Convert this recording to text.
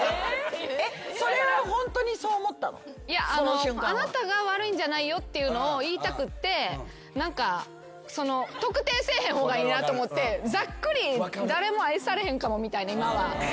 それはホントにそう思ったの？っていうのを言いたくって何かその特定せえへん方がいいなと思ってざっくり誰も愛されへんかもみたいな今は。